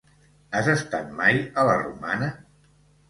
Has estat mai a la Romana?